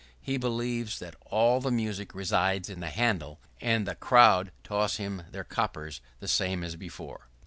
He believes that all the music resides in the handle, and the crowd toss him their coppers the same as before.